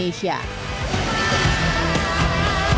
tim liputan cnn indonesia